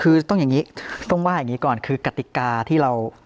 คือต้องอย่างนี้ต้องว่าอย่างนี้ก่อนคือกติกาที่เรา